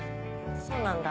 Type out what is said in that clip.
そうなんだ。